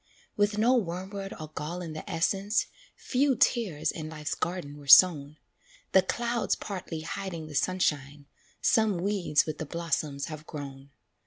"With no wormwood or gall in the essence, Few tares in life's garden were sown; The clouds partly hiding the sunshine, Some weeds with the blossoms have grown.